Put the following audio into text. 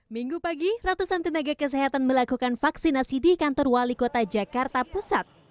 minggu pagi ratusan tenaga kesehatan melakukan vaksinasi di kantor wali kota jakarta pusat